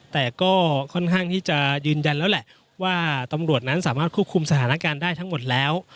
แต่ก็ค่อนข้างที่จะยืนยันแล้วแหละว่าตำรวจนั้นสามารถควบคุมสถานการณ์ได้ทั้งหมดแล้ว